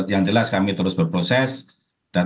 yang jelas kami terus berproses dan